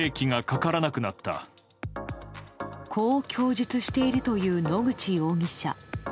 こう供述しているという野口容疑者。